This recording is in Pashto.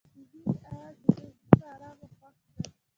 د مینه اواز د دوی زړونه ارامه او خوښ کړل.